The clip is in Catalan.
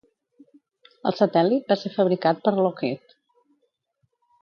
El satèl·lit va ser fabricat per Lockheed.